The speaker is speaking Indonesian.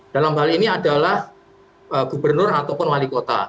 dalam hal ini adalah gubernur ataupun wali kota